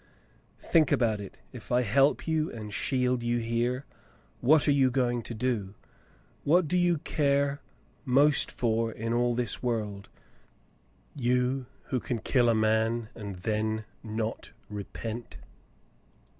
Think about it. If I help you, and shield you here, what are you going to do ^ What do you care most for in all this world ^ You who can kill a man and then not repent."